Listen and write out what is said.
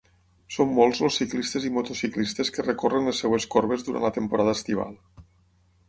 Són molts els ciclistes i motociclistes que recorren les seves corbes durant la temporada estival.